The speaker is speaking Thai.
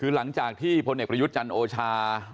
หลังจากที่พลิยุทธ์จันโอชา